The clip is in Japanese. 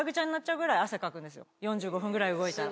４５分ぐらい動いたら。